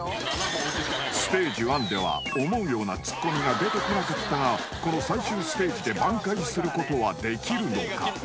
［ステージ１では思うようなツッコミが出てこなかったがこの最終ステージで挽回することはできるのか？］